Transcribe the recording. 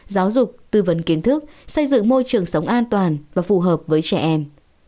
giáo dục tư vấn kiến thức xây dựng môi trường sống an toàn và phù hợp với trẻ em